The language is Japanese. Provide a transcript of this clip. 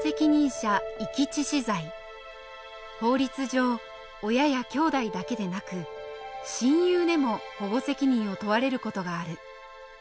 法律上親や兄弟だけでなく親友でも保護責任を問われる事がある。